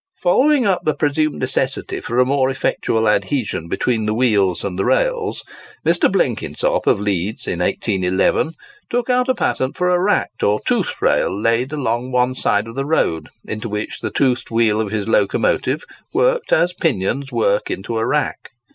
Following up the presumed necessity for a more effectual adhesion between the wheels and the rails, Mr. Blenkinsop of Leeds, in 1811, took out a patent for a racked or tooth rail laid along one side of the road, into which the toothed wheel of his locomotive worked as pinions work into a rack.